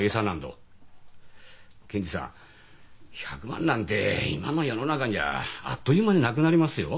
検事さん１００万なんて今の世の中じゃあっという間になくなりますよ。